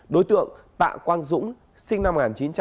đối tượng tạ quang dũng sinh năm một nghìn chín trăm tám mươi